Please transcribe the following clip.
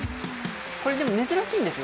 これでも、珍しいんですよ。